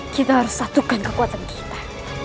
kita harus satu kan kekuatan kita